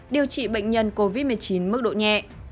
điều trị bệnh nhân covid một mươi chín mức độ nhẹ